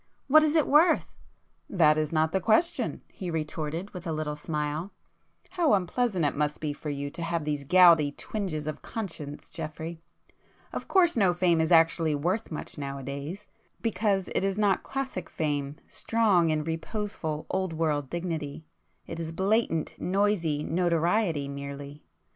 What is it worth?" "That is not the question;" he retorted with a little smile; "How unpleasant it must be for you to have these gouty twinges of conscience Geoffrey! Of course no fame is actually worth much now a days,—because it is not classic fame, strong in reposeful old world dignity,—it is blatant noisy notoriety merely.